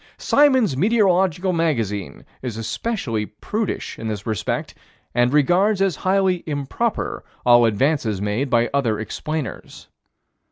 Symons' Meteorological Magazine is especially prudish in this respect and regards as highly improper all advances made by other explainers.